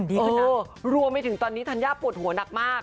เออรวมไปถึงตอนนี้ธัญญาปวดหัวหนักมาก